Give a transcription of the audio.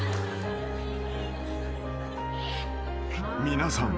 ［皆さん。